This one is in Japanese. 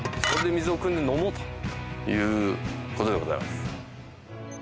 これで水をくんで飲もうということでございます。